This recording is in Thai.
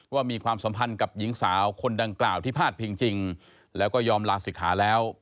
มีความสัมพันธ์กับหญิงสาวคนดังกล่าวที่พาดพิงจริงแล้วก็ยอมลาศิกขาแล้ว